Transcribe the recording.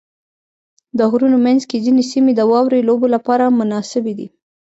د غرونو منځ کې ځینې سیمې د واورې لوبو لپاره مناسبې دي.